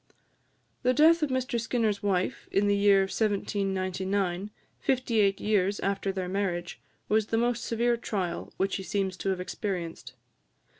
The death of Mr Skinner's wife, in the year 1799, fifty eight years after their marriage, was the most severe trial which he seems to have experienced.